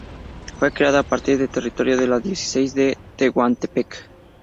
Fue creada a partir de territorio de la Diócesis de Tehuantepec.